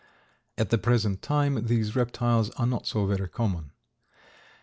At the present time these reptiles are not so very common.